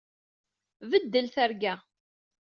Beddel targa!